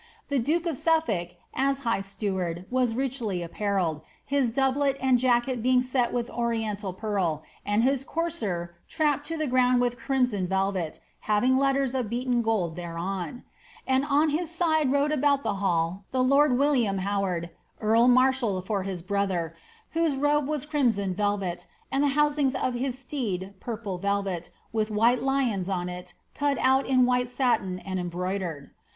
The duke of Sufiblk, as high steward, was richly apparelled, his doublet and jacket being set with orient pearl, and hui courser trapped to the ground with crimson velvet, having letters of beaten gold thereon ; and by his side rode about the hall the lord Wil liam Howard, eari marshal for his brother, whose robe was crimson velvet, and the housings of his steed purple velvet, with white lions on it, cut out in white satin and embroidered.